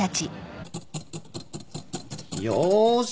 よし。